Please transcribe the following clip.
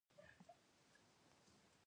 د همدې عصر د غوښتنو پر اساس راڅرګند شوي.